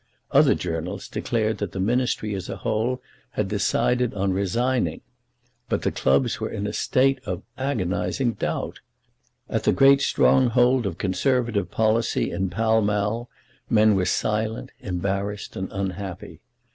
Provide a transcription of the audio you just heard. Other journals declared that the Ministry as a whole had decided on resigning. But the clubs were in a state of agonising doubt. At the great stronghold of conservative policy in Pall Mall men were silent, embarrassed, and unhappy.